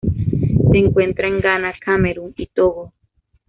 Se encuentra en Ghana, Camerún y Togo.